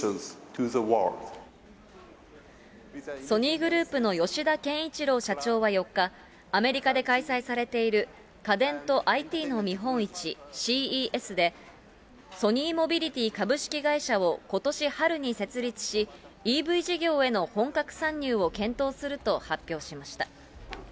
ソニーグループの吉田憲一郎社長は４日、アメリカで開催されている家電とＩＴの見本市、ＣＥＳで、ソニーモビリティ株式会社をことし春に設立し、ＥＶ事業への本格参入を検討すると発表しました。